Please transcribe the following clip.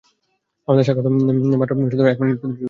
আপনাদের স্বাগতম মাত্র এক-মিনিট প্রতিযোগিতায়।